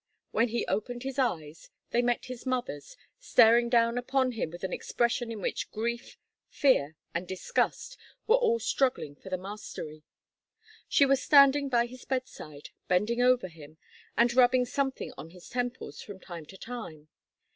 When he opened his eyes, they met his mother's, staring down upon him with an expression in which grief, fear and disgust were all struggling for the mastery. She was standing by his bedside, bending over him, and rubbing something on his temples from time to time.